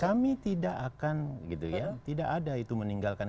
kami tidak akan gitu ya tidak ada itu meninggalkan